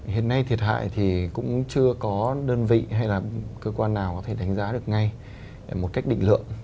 hiện nay thiệt hại thì cũng chưa có đơn vị hay là cơ quan nào có thể đánh giá được ngay một cách định lượng